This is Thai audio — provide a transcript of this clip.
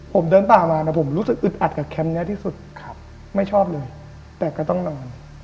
ผมเดินป่ามานะผมรู้สึกอึดอัดกับแคมป์นี้ที่สุดไม่ชอบเลยแต่ก็ต้องนอน